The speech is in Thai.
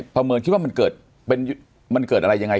คิดว่ามันเกิดอะไรยังไง